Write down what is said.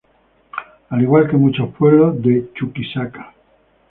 Al igual que muchos pueblos de Chuquisaca.